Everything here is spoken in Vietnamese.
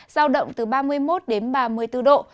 giao động từ ba mươi một đến ba mươi bốn độ